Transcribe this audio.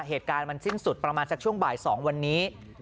เหตุการณ์มันสิ้นสุดประมาณสักช่วงบ่าย๒วันนี้